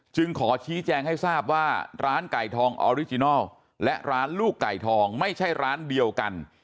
ขอชี้แจงให้ทราบว่าร้านไก่ทองออริจินัลและร้านลูกไก่ทองไม่ใช่ร้านเดียวกัน